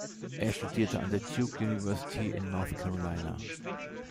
Er studierte an der Duke University in North Carolina.